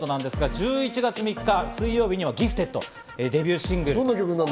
１１月３日水曜日には『Ｇｉｆｔｅｄ．』、デビューシングル。